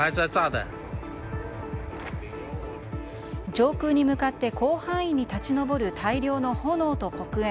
上空に向かって広範囲に立ち上る大量の炎と黒煙。